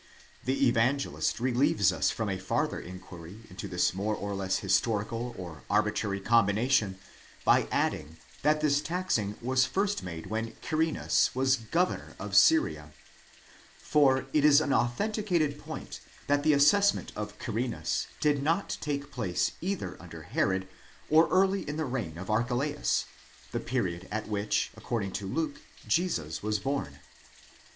4 The Evangelist relieves us from a farther inquiry into this more or less: historical or arbitrary combination by adding, that this taxing was first made when Cyrenius (Quirinus) was governor of Syria, ἡγεμονεύοντος τῆς Συρίας: Κυρηνίου ; for it is an authenticated point that the assessment of Quirinus did not take place either under Herod or early in the reign of Archelaus, the period at which, according to Luke, Jesus was born.